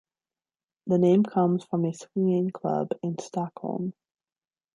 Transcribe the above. The name comes from a swinging club in Stockholm.